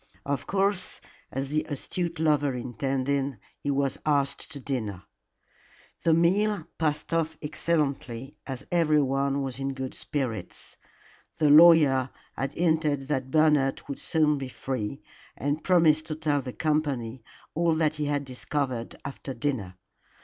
Of course, as the astute lover intended, he was asked to dinner. The meal passed off excellently, as everyone was in good spirits. The lawyer had hinted that Bernard would soon be free, and promised to tell the company all that he had discovered after dinner.